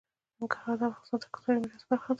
ننګرهار د افغانستان د کلتوري میراث برخه ده.